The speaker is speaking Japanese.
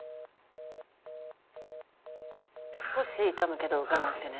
少し痛むけど我慢してね。